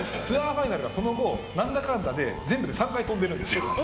ツアーファイナルがその後何だかんだで全部で３回飛んでるんですよ。